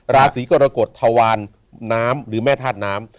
ราศีกรกฎทวารน้ำหรือแม่ธาตุน้ำ